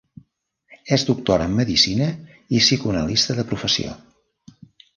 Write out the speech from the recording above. És doctora en medicina i psicoanalista de professió.